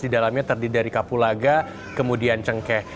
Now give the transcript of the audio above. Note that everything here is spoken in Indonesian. di dalamnya terdiri dari kapulaga kemudian cengkeh